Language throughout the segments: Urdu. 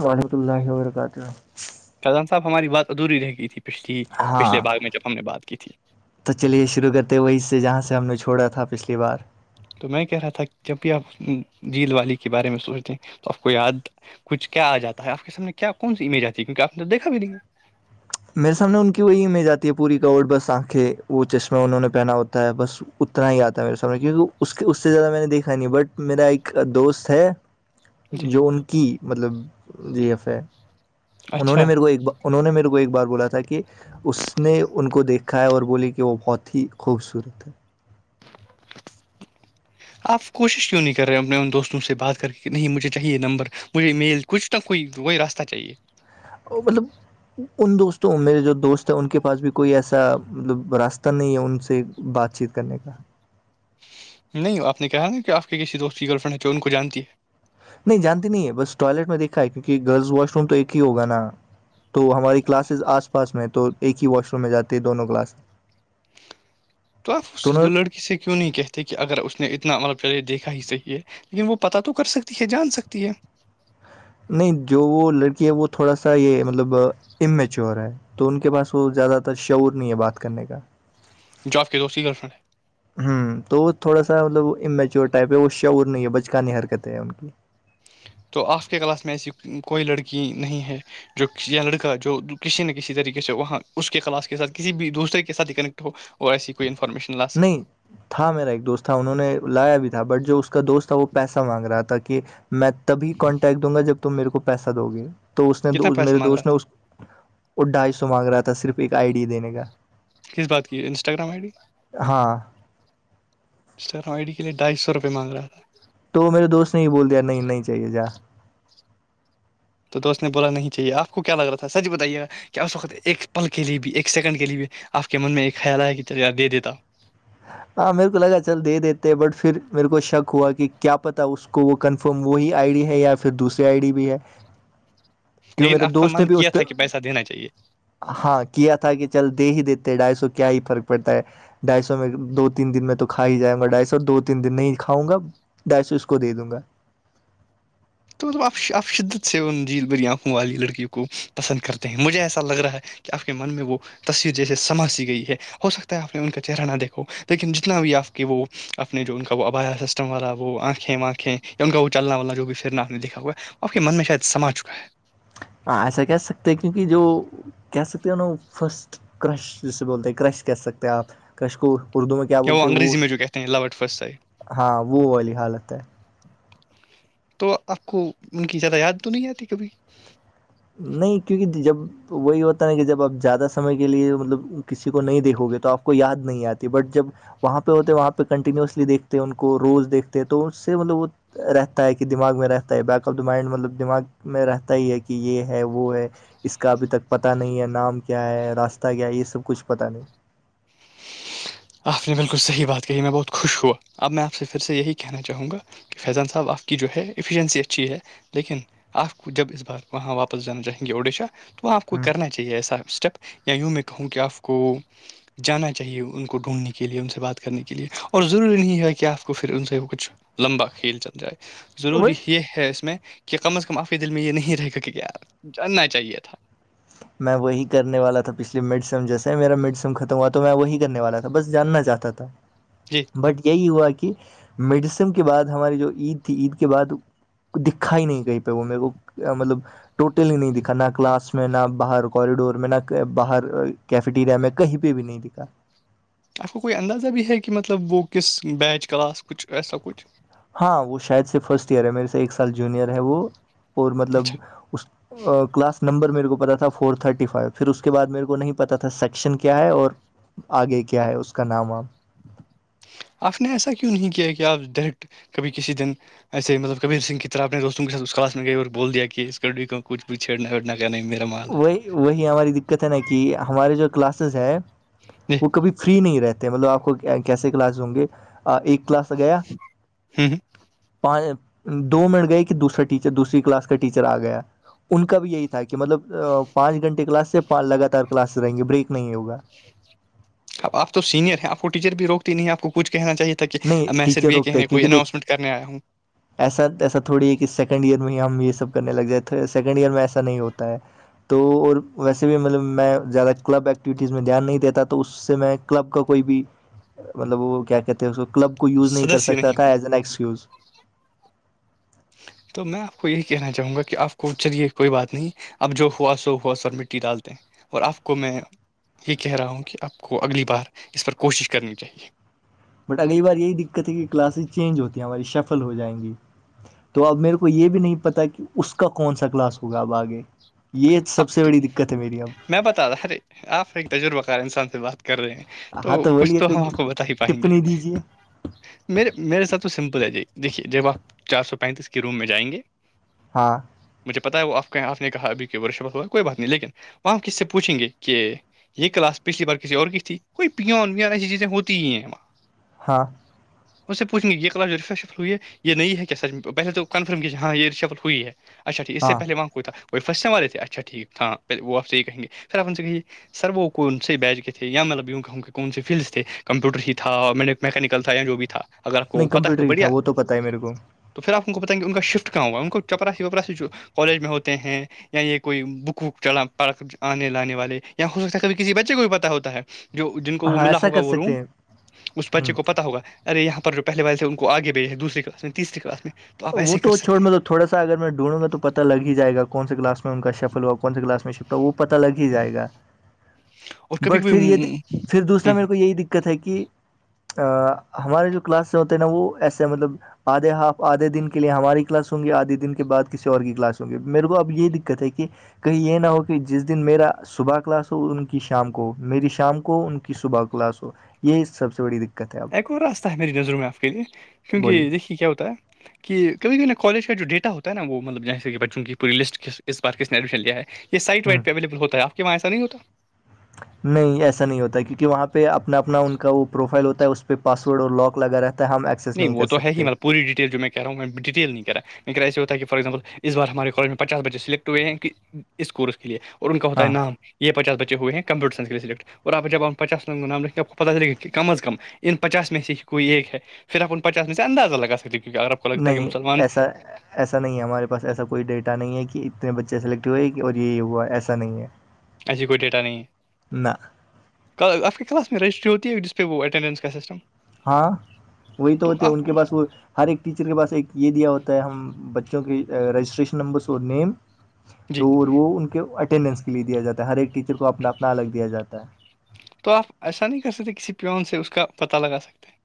وورحمتۃ اللہ و برکاتہ فیضان صاحب ہماری بات ادھوری رہ گئی تھی پچھلی پچھلے ہاں باغ میں جب ہم نے بات کی تھی تو چلیے شروع کرتے وہیں سے جہاں سے ہم نے چھوڑا تھا پچھلی بار تو میں کہہ رہا تھا جب بھی آپ جھیل والی کے بارے میں سوچتے ہیں تو آپ کو یاد کچھ کیا آ جاتا ہے آپ سامنے کیا کون سی امیج آتی ہے کیونک آپ نے تو دیکھا بھی نہیں ہے میرے سامنے ان کی وہی امیج آتی ہے پوری کاوٹ بس آنکھیں وہ چشمے انہوں نے پہنا ہوتا ہے بس اتنا ہی آتا ہے میرے سامنے کیونکہ اس کے اس سے زیادہ میں نے دیکھا نہیں بٹ میرا ایک دوست ہے ہے جی جو ان کی مطلب جی ایف ہے انہوں نے اچھا میرے کو ایک ب انہ نے میرے کو ایک بار بولا تھا کہ اس نے ان کو دیکھا ہے اور بولی کہ وہ بہت ہی خوبصورت ہے آپ کوشش کیوں نہیں کر رہے اپنے ان دوستوں سے بات کر کے نہیں مجھے چاہیے نمبر مجھے میل کچھ نہ کوئی وہی راستہ چاہیے وہ مطلب ان دوستوں میرے جو دوست ہیں ان کے پاس بھی کوئی ایسا مطلب راستہ نہیں ہے ان سے بات چیت کرنے کا نہیں آپ نے کہا نا کہ آپ کے کسی دوست کی گرل فرینڈ ہے تو ان کو جانتی ہے نہیں جانتی نہیں ہے بس ٹوائلٹ میں دیکھا ہے کیونکہ گرلز واش روم تو ایک ہی ہوگا نا تو ہماری کلاسز آس پاس میں ہیں تو ایک ہی واش روم میں جاتے ہیں دونوں کلاس [inaudible] تو آپ اس دونوں لڑکی سے کیوں نہیں کہتے کہ اگر اس نے اتنا مطلب چلے دیکھا ہی صحیح ہے لیکن وہ پتا تو کر سکتی ہے جان سکتی ہے نہیں جو وہ لڑکی ہے وہ تھوڑا سا یہ مطلب ا میچور ہے تو ان کے پاس وہ زیادہ تر شعور نہیں ہے بات کرنے کا جس کے دو اس گر فرنڈ ہوں تو وہ تھوڑا سا مطلب امییچور ٹائپ ہے وہ شعور نہیں ہے بچکانی حرکتیں ہے ان کی تو آپ کے کلاس میں ایسی کوئی لڑکی نہیں ہے جو لڑکا جو کسی نہ کسی طریقے سے وہاں اس کے کلاس کے ساتھ کسی بھی دوسرے کے ساتھ اکنیکٹ اور ایسی کوئی انفارمیشن لا سک نہیں تھا میرا ایک دوست تھا انہوں نے لایا بھی تھا بٹ جو اس کا دوست تھا وہ پیسہ مانگ رہا تھا کہ میں تبھی کانٹیکٹ دوں گا جب تم میرے کو پیسہ دو گے تو اس نے کتنا پیسہ میرے مانگ دوست رہا نے وہ ڈھائی سو مانگ رہا تھا صرف ایک آئیڈیا دینے کا کس بات کی انسٹاگرام آئی ڈی ہاں اسٹرڈی کے لیےھائی سو روپئے مانگ رہا تھا تو میرے دوست نے نہیں بول دیا نہیں چاہیے جا تو دوست نے بولا نہیں چاہیے آپ کو کیا لگ رہا تھا سچ بتائیےا کیا اس وقت ایک پل کے لیے بھی ایک سیکنڈ کے لیے بھی آپ کے من میں ایک خیال آیا کہ تکری دے دیتا ہ ہاں میرے کو لگا چل دے دیتے بٹ پھر میرے کو شک ہوا کہ کیا پتا اس کو کو وہ کنفرم وہی آئی ڈی ہے یا پھر دوسری آئی ڈی بھی ہے کیوں لیکن میرے آپ کا دوست نے من بھی کیا اس پہ تھا کہ پیسہ دینا چاہیے ہاں کیا تھا کہ چل دے ہی دیتے ڈھائی سو کیا ہی فرق پڑتا ہے ڈھائی سو تو میں دو تین دن میں تو کھا ہی جاں گا ڈھائی سو دو تین دن نہیں کاؤں گا ڈھائی سو اس کو دے دوں گا تو آپ آپ شدت سے ان جھیل بری آنکھوں والی لڑکیوں کو پسند کرتے ہیں مجھے ایسا لگ رہا ہے کہ آپ کے من میں وہ تصویر جیسے سماسی گئی ہے ہو سکتا ہے آپ نے ان کا چہرہ نہ دیکھو لیکن جتنا بھی آپ کے وہ اپنی جو ان کا وہ آبایا سسٹم والا وہ آنکھیں وانکھیں ان کا وہ چلنا والا جو بھی پھرنا دیکھا ہوا وہ آپ کے من میں شاید سما چکا ہے ہاں ایسا کہہ سکتے کیونکہ جو کہہ سکتے ہیں نا فرسٹ کرش جسے بولتے ہیں کرش کہہ سکتے ہیں آپ کرش کو اردو میں کیا وہ بولتے ہیں انگریی میجکتھ لاٹ فسٹائی ہاں وہ والی حالت ہے تو آپ کو ان کی زدہ یاد تو نہیں آتی کبھی نہیں کیونکہ جب تو وہی ہوتا نا کہ جب آپ زیادہ سمے کے لیے مطلب کسی کو نہیں دیکھو گے تو آپ کو یاد نہیں آتی بٹ جب وہاں پہ ہوتے ہیں وہاں پہ کنٹینیوسلی دیکھتے ہیں ان کو روز دیکھتے تو سے مطلب وہ رہتا ہے کہ دماغ میں رہتا ہے بیک آف دا مائنڈ مطلب دماغ میں رہتا ہی ہے کہ کہ یہ ہے وہ ہے اس کا ابھی تک پتاہ نہیں ہے نام کیا ہے راستہ کیا ہے یہ سب کچھ پتا نہیں آپ نے بالکل صحیح بات کہی میں بہت خوش ہوا اب میں آپ سے پھر سے یہی کہنا چاہوں گا کہ فیضان صاحب آپ کی جو ہے ایفیشنسی اچھی ہے لیکن آپ جب اس بار وہاں واپس جانا چاہیں گے اڈیشہ [inaudible] تو وہ آپ کو ہوں کرنا چاہیے ایسا اسٹیپ یا یوں میں کہوں کہ آپ کو جانا چاہیے ان کو ڈھونڈنے کے لیے ان سے بات کرنے کے لیے اور ضروری نہیں ہے کہ آپ کو پھر ان سے وہ کچھ لمبا کھیل چل جائے ضروری وہی یہ ہے اس میں کہ کم از کم آپ کے دل میں یہ نہیں رہے گا کہ کیای جاننا چاہیے تھا میں وہی کرنے والا تھا پچھلے مڈ سم جیسے میرا مڈ سم ختم ہوا تو میں وہی کرنے والا تھا بس جاننا چاہتا تھا جی بٹ یہی ہوا کہ میڈیسم کے بعد ہماری جو عید تھی عید کے بعد دکھا ہی نہیں کہیں پہ وہ میرے کو مطلب ٹوٹلی نہیں دکھا نہ کلاس میں میں نہ باہر کوریڈور میں نہ باہر کیفٹیریا میں کہیں پہ بھی نہیں دکھا آپ کو کوئی اندازہ بھی ہے کہ مطلب وہ کس بیچ کلاس کچھ ایسا کچھ ہاں وہ شاید سے فرسٹ ایئر ہے میرے سے ایک سال جونیئر ہے وہ اور اچھا مطلب اس کلاس نمبر میرے کو پتا تھا فور تھرٹی فائیو پھر اس کے بعد میرے کو نہیں پتا تھا سیکشن کیا ہے اور آگے کیا ہے اس کا نام آپ آپ نے ایسا کیوں نہیں کیا کہ آپ دٹ کبھی کسی دن ایسے مطلبر سنگ کی طر اپ دوستوں کے سھ اس کلاس میں گئی اور بول دیا کہ اسچھ بھیچ چھیڑناڑنا ل نہیں میرا مال ہے وہی وہی ہماری دقت ہے نا کہ ہمارے جو کلاسز ہے ہے جی وہ کبھی فری نہیں رہتے مطلب آپ کو کیسے کلاس ہوں گے ایک کلاس ل گیا ہوں ہوں دو منٹ گئے کہ دوسرا ٹیچر دوسری کلاس کا ٹیچر آ گیا ان کا بھی یہی تھا کہ مطلب پانچ گھنٹے کلاس سے لگاتار کلاس سے رہیں گے بریک نہیں ہوگا اب آپ سینئر ہے آپ کو ٹیچر بھی روکتی نہیں آ کو کچ کہنا چاہیے تھا کہ نہیں میں صرف ٹیچر یہ روکتے ہیں کہیںنے کوئی کیونکہ دیکھ اناؤنسمنٹ کرنے آیا ہوں ایسا ایسا تھوڑی ہے کہ سیکنڈ ایئر میں ہی ہم یہ سب کرنے لگ جائ سیکنڈ ایئر میں ایسا نہیں ہوتا ہے تو اور ویسے بھی مطلب میں زیادہ کلب ایکٹیویٹیز میں دھیان نہیں دیتا تو اس سے میں کلب کا کوئی بھی مطلب وہ کیا کہتے ہیں کلب کو یوز نہیں کر سدسیہ سکتا تھا ہوں ایز اس یوز تو میں آپ کو یہی کہنا چاہوں گا کہ آپ کو چلیے کوئی بات نہیں اپ جو ہوا سو ہوا س اور مٹی ڈال دیں اور آپ کو میں یہ کہہ رہا ہوں کہ آپ کو اگلی بار اس پر کوشش کرنی چاہیے بٹ اگلی بار یہی دقت ہے کہ کلاسز چینج ہوتی ہیں ہماری شفل ہو جائیں گی تو اب میرے کو یہ بھی نہیں پتا کہ اس کا کون سا کلاس ہوگا اب آگے یہ سب سے آپ بڑی دقت ہے میری اب میں بتا تھاا ارے آپ ایک تجربہ کار انسان سے بات کر رہے ہیں تو ہاں کچھ بولیے تو کوئی ہم آپ کو بتا ہی پائیں گے ٹپنی دیجیے میرے میرے ساتھ تو سمپل ہے جی دیکھیے جب آپ چار سو پینتیس کے روم میں جائیں گے ہاں مجھے پتا ہے وہ آپ کہ آپ نے کہا ابھی کی ورشفت ہوا کوئی بات نہیں لیکن وہاں ہم کس سے پوچھیں گے کہ یہ کلاس پچھلی بار کسی اور کی تھی کوئی پی وان ایسی چیزیں ہوتی ہی ہیں وہاں ہاں اس سے پوچھ گے یہ کلاس جو ریریشئی ہے یہ نہیں ہے کیا سچ پہلے تو کنفرم کییے ہاں یہ رشفل ہوئی ہے اچھا ٹھیک اس سے ہاں پہل وہاں کو کو فرسے والے تھے اچھا ٹھیک ہاں پہل وہ آپ سے یہ کہیں گے پھر آن سے کہیے سر وہ کون سے بیچ کے تھے یا مطلب یوں کہوں کہ کون سے فیلڈس تھے کمپیوٹر ہی تھا اور میں نے میکینکل تھا یا جو بھی تھا اگر آپ کو نہیں پتاہ ہے کمپیوٹر تو ہی تھا بڑھیا وہ تو پتا ہے میرے کو تو پھر آپ ان کو بتائیں گے ان کا شفٹ کہاں ہوگا ان کو چپرای وپراسی جو کالج میں ہوتے ہیں یا یہ کوئی بک وک چلا پڑ آنے لانے والے یا ہو سکتا ہے کھی کسی بچے کو بھی پتا ہوتا ہے جو جن کو وہ ہاں ملا ایسا ہوگا کر وہ روم سکتے ہیں اس ہ بچے کو پتا ہوگا ار یہاں پر جو پہلے والے تھے ان کو آگے بھیجے دوسری کلاس میں تسری کلاس میں آپ وہ ایسے کر تو چھوڑ سکتے ہیں مطلب تھوڑا سا اگر میں ڈھونوں گا توتا لگ جائے گا کون سے کلاس میں ان کا شفل ہوا کون سے کلاس میں شل تو وہ پتا لگ ہی جائے گا اور کبھی بٹ پھر یہ کبھی پھر دوسرا میرے کو یہی د ہے کہ ہمارے جو کلاس ہوتے ہیں نا وہ ایسے مطلب آدھے ہاف آھے دن کے لیے ہماری کلاس ہوںگی آدھے دن کے بعد کسی اور کی کلاس ہوں گی میرے کو اب یہ دقت ہے کہ کہیں یہ نہ ہو کہ جس دن میرا صبح کلاس ہو ان کی شام کو ہو میری شام کو ان کی صبح کو کلاس ہو یہ سب سے بڑی دت ایک اور راستہ ہے میری نظروں میں آپ کے لیے کیوںک بولی دیکھیے کیا ہوتا ہے کہ کبھی بھیھی نا کالج کا جو ڈیا ہوتا ہے نا وہ مطلب جیسے کہ بچوں کی پوری لسٹ اس بار کس نے ایڈمیشن لیا ہے یہ سائٹ ہوں وائڈہ اولیبل ہوتا ہےپ کے وہاں ایسا نہیں ہوتا نہیں ایسا نہیں ہوتا ہے کیونکہ وہاں پہ اپنا اپنا ان کا وہ پروفائل ہوتا ہے اس پہ پاسورڈ اور لاک لگا رہتا ہے ہم ایکس نہیں وہ تو ہے ہی مب پوری ڈیٹیل جو میں رہا ہ میں ڈیٹیل نہیں کر رہا م ایسا ہوتا کہ فارزامپل اس بار ہمارے کالج میں پاس بچے سلیکٹ ہوئے ہیں کہ اس کورس کے لیے اور ان کا ہوتا ہے ہاں نام یہ پچاس بچے ہوئے ہیں کمپیوٹر سائنس لیے سلیکٹ اور آپ جب ہم پچاس لوگوں کا نام لکھتے ہیں آپ کو پتا چلے گا کہ کم از کم ان پچاس میں سے ہی کوئی ایک ہے پرحن پچس اس انداز الگ سونہ نہیں ایسا ایسا نہیں ہے ہمارے پاس ایسا کوئی ڈیٹا نہیں ہے کہ اتنے بچے سلیکٹ ہوئے کہ اور یہ ہوا ایسا نہیں ہے ایسی کوئی ڈیٹا نہیں ہے نہ آپ کی کلاس میں رجسٹری ہوتی ہے جس پہ وہ اٹینڈنس کا سسٹم ہاں وہی تو ہوتے ان کے پاس وہ ہر ایک ٹیچر کے پاس ایک یہ دیا ہوتا ہے ہم بچوں کے رجسٹریشن نمبرس اور نیم جی تو وہ ان کے اٹینڈنس کے لیے دیا جاتا ہے ہر ایک ٹیچر کو اپنا اپنا الگ دیا جاتا ہے تو آپ ایسا نہیں کر سکتے کسی پیون سے اس کا پتا لگا سکتے ہیں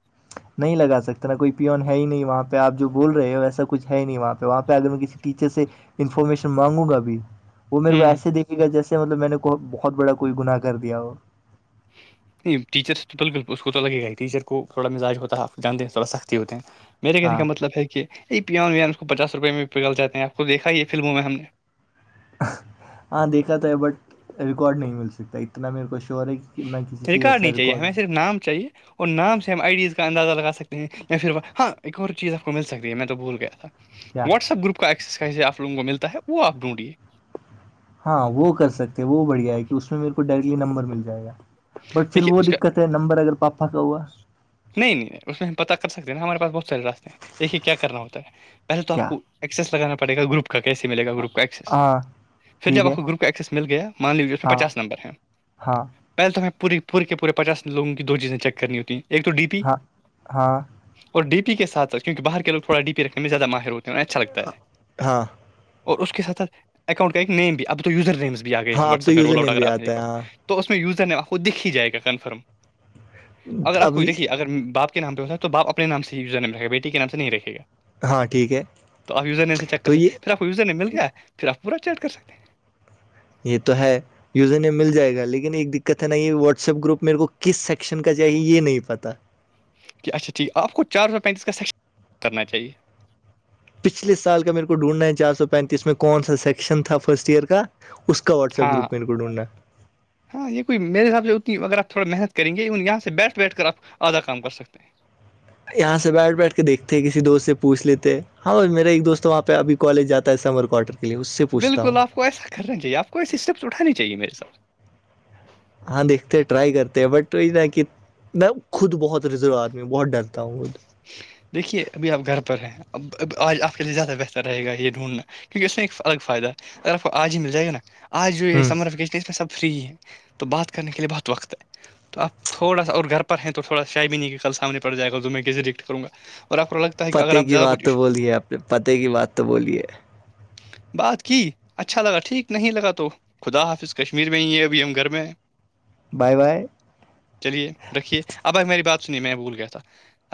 نہیں لگا سکتا نا کوئی پیون ہے ہی نہیں وہاں پہ آ جو بول رہے ہو ویسا کچھ ہے نہیں وہاں پہ وہاں پہ اگر میں کسی ٹیچر سے انفارمیشن مانگوں گا بھی وہ میرے کو ہوں ایسے دیکھ گا جیسے مطلب میں نے بہت بڑا کوئی گنا کر دیا ہو ہ ٹیچرس تو بالکل اس کو تو لگے گا ہی ٹیچر کو تھوڑا مزاج ہوتا جانتے ہیں تھوڑا سختی ہوتے ہیں میرے کہنے ہاں کا مطلب ہے کہ یہ پیان ویان اس کو پچاس روپئے میں پکڑلاتے ہیں آپ کو دیکھا ہی یہ فلموں میں ہم نے ہاں دیکھا تو ہے بٹ ریکارڈ نہیں مل سکتا اتنا میرے کو شیور ہے کہ میں کسی سے طریکار ایسا نہیں چاہیے ریکارڈ ہمیں نہ صرف نام چاہیے اور نام سے ہم آئی ڈیز کا اندازہ لگا سکتے ہیں یا پھر ہاں ایک اور چیز آپ کو مل سکتی ہے میں تو بھول گیا تھا کیا واٹس ایپ گروپ کا ایکسرسائز آپوگوں کو ملتا ہے وہ آپ ڈھونڈیے ہاں وہ کر سکتے ہیں وہ بڑھیا ہے کہ اس میں میرے کو ڈائریکٹلی نمبر مل جائے گا بٹ پھر دیکھیے وہ اس کا دقت ہے نمبر اگر پاپا کا ہوا نہیں نہیں نہیں اس میں ہم پتا کر سکتے ہیں نا ہمارے پاس بہت سارے راستے ہیں دیکھیے کیا کرنا ہوتا ہے پہے تو آ کیا کو ایکس لگا پڑے گروپ کا کیسے مل گروپ ایکسس ہاں پھر جب ٹھیک آپ ہے کو گروپ کا ایکسس مل گیا مان لیجیے اس میں ہاں پچاس نمبر ہیں ہاں پہلے تو ہمیں پوری پورے کے پورے پچاس لوگوں کی دو چیزیں چیک کرنی ہوتی ایک تو ڈی پی ہاں ہاں اور ڈی پی کے ساتھ کیونکہ باہر کے لوگ تھوڑا ڈی پی رکھنے میں زیادہ ماہر ہوتے ہیں اچھا لگتا ہے ہاں اور اس کے ساتھاتھ اکاؤنٹ کا ایک نیم بھی اب تو یوزر نیس بھی گئے ہیں ہاں اب تو واٹسپ میں یوزر رول نیم بھی آتا ہے ہاں آؤٹ تو اس یوزر نے آپ کو دیکھ ہی جائے گا کنفرم اگر آپ اب کو دیکھیے اگر باپ کے نام پہ ہوتا تو بپ اپنے نام سےم رہکھ گ بیٹی کے نام نہیں رکھے گا ہاں ٹھیک ہے تو آپ یوزر نے سے چیک تو کرتے یہ پھر آپ کو یوزر نہیں مل گیا پھر آپ پورا چیٹ کر سکتے ہیں یہ تو ہے یوزر مل جائے گا لیکن ایک دقت ہے نا یہ واٹسپ گروپ میرے کو کس سیکشن کا چاہیے یہ نہیں پتا اچھا ٹھیک ہے آپ کو چار سو پینتیس کا سیکشن کرنا چاہیے پچھلے سال کا میرے کو ڈونڈنا ہے چار سو پینتیس میں کون سا سیکشن تھا فسٹ ایئر کا اس کا واٹسپ ہاں گروپ میرے کو ڈھونڈناا ہاں یہ کوئی [unintelligible] آپ تھوا محنت کریں گےون یہاں سے بیٹھ بیٹھ کر آپ آدھا کام کر سکتے ہیں یہاں سے بیٹھ بیٹھ کے دیکھتے کسی ہے دوست سے پوچھ لیتے ہاں میرا ایک دوست تو وہاں پہ ابھی کالج جاتا ہے سمر کوارٹر کے لیے اس سے پوچتا بالکل ہوں آپ کو ایسا کرنا چاہیے آ پکو اسےسٹپس اٹھانے چاہی میرے حساب سے ہاں دیکھتے ہے ٹرئی کرتے ہیں بٹ کہ میں خود بہت رزرو آدمی ہوں بہت ڈرتا ہوں خود دیکھیے ابھی آپ گھر پر ہیں اب آج آپ کے لیے زیادہ بہتر رہے گا یہ ڈھونڈنا کیونکہ اس میں ایک الگ فائدہ ہے اگر آپ کو آج ہی مل جائے گا نا آج جو یہ ہوں سمر ویکیشن اس میں سب فری ہے تو بات کرنے کے لیے بہت وقت ہے تو آپ تھوڑا سا اور گھر پر ہیں تو تھوڑا شاع بھی نہیں کہ کل سامنے پڑ جائے گا تو میں کیسے راکٹ کروں گا اور آپ پروڈکٹ پتے کی بات تو بولیے اپ نے پتے کی بات تو بولیے بات کی اچھا لگا ٹھیک نہیں لگا تو خدا حافظ کشمیر میں ہی ہے ابھی ہم گھر میں ہیں بائے بائے چلیے رکھیے اب آپ میری بات سنیے میں بھول گیا تھا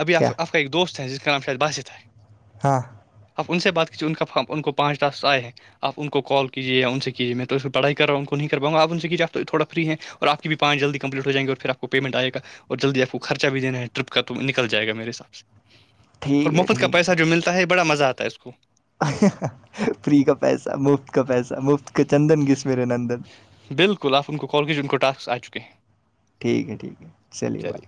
ابھی آپ کیا آپ ایک دوست ہیں جس کانام باست ہے ہاں آپ ان سے بات کیجیے ان کا ہم ان کو پانچ ٹاسکس آئے ہیں آپ ان کو کال کیجے یا ان سے کیجیے میں تو اس پڑھائی کر رہا ہوں ان کو نہیں کر پاں گ آپ ان سے کیجی آپ تھوڑا فری ہے اور آ پکی بھی پانچی جلد کمپلٹ ہو جائ گی اور پھر آپ کو پیمٹ آئے گی اور جلدی آپ کو خرچا بھی دینا ہے ٹرپ کا تو نکل جائےگا میرے ساتھ اور ٹھیک ہے مفت کا ٹھیک پیسہ جو ملتا ہے بڑا مزہ آتا ہے اس کو فری کا پیسہ مفت کا پیسہ مفت کا چندن کس میرے نندن بالکل آپ ان کو کال کیجئے انکوٹاسکز آ چکے ہیں ٹھیک ہے ٹھیک ہے چلیے بھائی